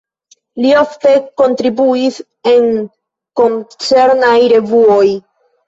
Li ofte kontribuis en koncernaj revuoj.